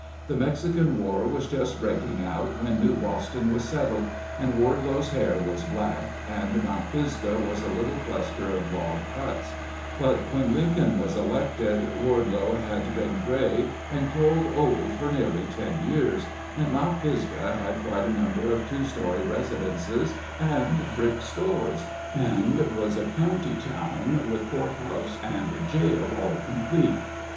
The Mexican war was just breaking out when New Boston was settled, and Wardelow's hair was black, and Mount Pisgah was a little cluster of log huts; but when Lincoln was elected, Wardelow had been gray and called old for nearly ten years, and Mount Pisgah had quite a number of two story residences and brick stores, and was a county town, with court house and jail all complete.